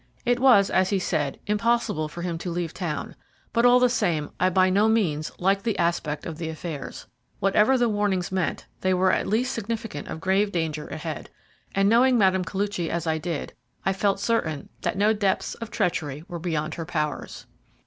It was, as he said, impossible for him to leave town, but all the same I by no means liked the aspect of affairs. Whatever the warnings meant, they were at least significant of grave danger ahead, and knowing Mme. Koluchy as I did, I felt certain that no depths of treachery were beyond her powers.